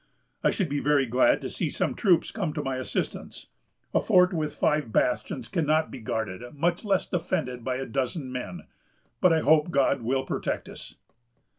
I should be very glad to see some troops come to my assistance. A fort with five bastions cannot be guarded, much less defended, by a dozen men; but I hope God will protect us."